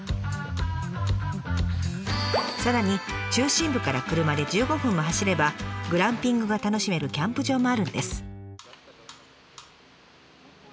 さらに中心部から車で１５分も走ればグランピングが楽しめるキャンプ場もあるんです。